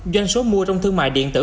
doanh số mua trong thương mại điện tử